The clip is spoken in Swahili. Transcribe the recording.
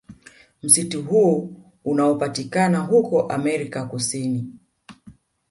Msitu huu unaopatikana huko America kusini